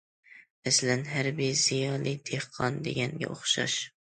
مەسىلەن: ھەربىي، زىيالىي، دېھقان... دېگەنگە ئوخشاش.